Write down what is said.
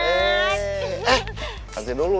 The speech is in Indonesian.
eh nanti dulu